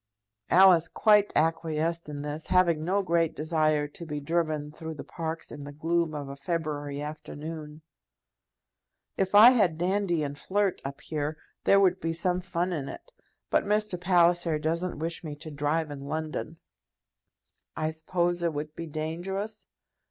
Alice quite acquiesced in this, having no great desire to be driven through the parks in the gloom of a February afternoon. "If I had Dandy and Flirt up here, there would be some fun in it; but Mr. Palliser doesn't wish me to drive in London." "I suppose it would be dangerous?"